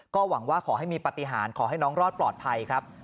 ก็หวังว่าขอให้มีปฏิหารขอให้น้องรอดปลอดภัยครับ